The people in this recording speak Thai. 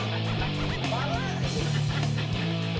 มันไม่ถือแต่มันต้องร้ายให้ดี